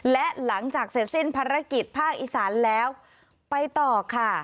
และหลังจากเสร็จสิ้นภารกิจภาคอีสานแล้วไปต่อค่ะ